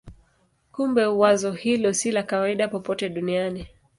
Kumbe wazo hilo si la kawaida popote duniani.